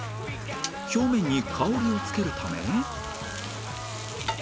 表面に香りをつけるため